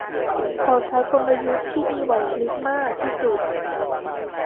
เขาใช้กลยุทธ์ที่มีไหวพริบมากที่สุด